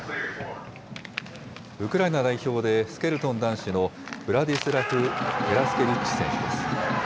ウクライナ代表でスケルトン男子のブラディスラフ・ヘラスケビッチ選手です。